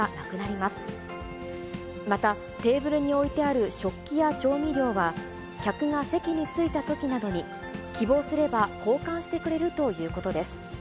また、テーブルに置いてある食器や調味料は、客が席に着いたときなどに、希望すれば交換してくれるということです。